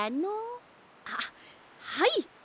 あっはい。